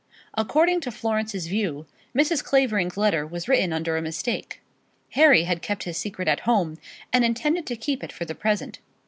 According to Florence's view Mrs. Clavering's letter was written under a mistake. Harry had kept his secret at home, and intended to keep it for the present.